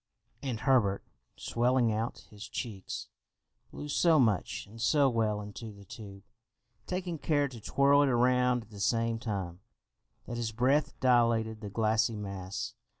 [Illustration: THE GLASS BLOWERS] And Herbert, swelling out his cheeks, blew so much and so well into the tube taking care to twirl it round at the same time that his breath dilated the glassy mass.